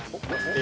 え！